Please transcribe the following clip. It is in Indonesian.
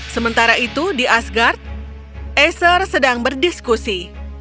sementara itu di asgard acer sedang berdiskusi